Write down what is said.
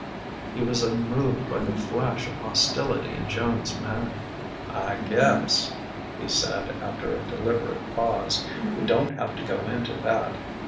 He was unmoved by the flash of hostility in Joan's manner. "I guess," he said after a deliberate pause, "we don't have to go into that.